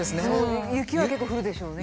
雪は結構降るでしょうね。